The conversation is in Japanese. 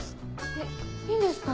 えっいいんですか？